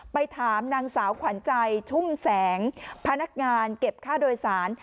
ไปถามนางสาวขวัญใจชุ่มแสงพนักงานเก็บค่าโดยสาร